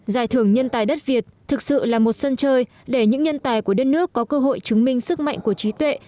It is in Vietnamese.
giải thưởng nhân tài đất việt thực sự là một sân chơi để những nhân tài của đất nước có cơ hội chứng minh sức mạnh của trí tuệ